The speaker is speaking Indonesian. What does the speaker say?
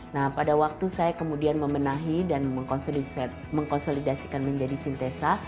nah pada waktu saya kemudian memenahi dan mengkonsolidasikan menjadi sintesa